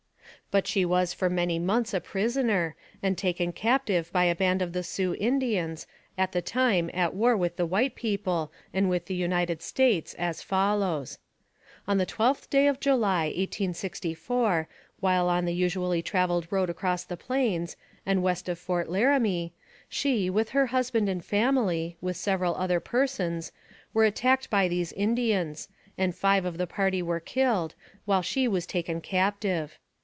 But she was for many months a prisoner, and taken captive bv a band of the Sioux Indians, at the time at war with the white people, and with the United States, as follows: On the 12th day of July, 1864, while on the usually traveled road across the plains, and west of Fort Lararnie, she, with her husband and family, with several other persons, were attacked by these Indians, and five of the party were killed, while she was taken captive.